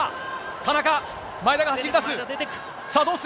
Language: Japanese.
田中、前田が走り出す。